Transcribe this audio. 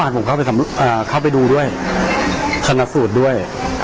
ครับเมื่อวานผมเข้าไปดูด้วยคณสูตรด้วย